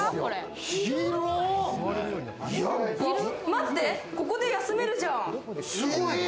待って、ここで休めるじゃん！